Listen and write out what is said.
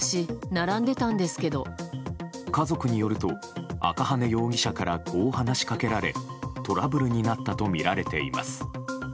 家族によると赤羽容疑者からこう話しかけられトラブルになったとみられています。